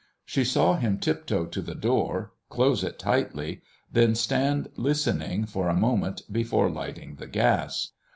She saw him tiptoe to the door, close it tightly, then stand listening for a moment before lighting the gas.